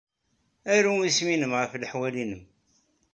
Aru isem-nnem ɣef leḥwal-nnem.